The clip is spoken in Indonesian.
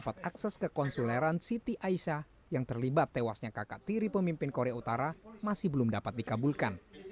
dan dapat akses ke konsuleraan siti aisyah yang terlibat tewasnya kakak tiri pemimpin korea utara masih belum dapat dikabulkan